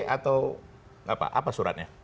atau apa suratnya